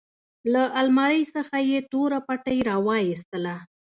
له المارۍ څخه يې توره پټۍ راوايستله.